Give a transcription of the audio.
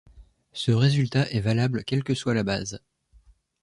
Ce résultat est valable quelle que soit la base.